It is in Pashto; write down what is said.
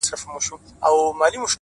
اغــــزي يې وكـــرل دوى ولاړل تريــــنه،